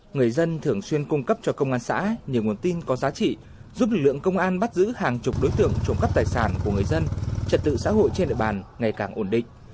người dân thường xuyên cung cấp cho công an xã nhiều nguồn tin có giá trị giúp lực lượng công an bắt giữ hàng chục đối tượng trộm cắp tài sản của người dân trật tự xã hội trên địa bàn ngày càng ổn định